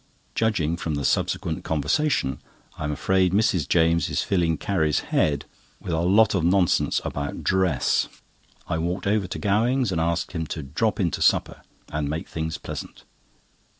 Judging from the subsequent conversation, I am afraid Mrs. James is filling Carrie's head with a lot of nonsense about dress. I walked over to Gowing's and asked him to drop in to supper, and make things pleasant.